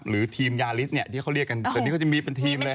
หรือทีมยาลิสเนี่ยที่เขาเรียกกันแต่นี่เขาจะมีเป็นทีมเลย